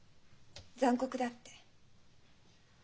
残酷だ」って。